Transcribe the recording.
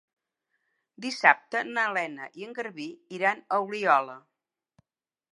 Dissabte na Lena i en Garbí iran a Oliola.